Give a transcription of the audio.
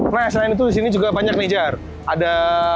nah selain itu disini juga banyak nih jar ada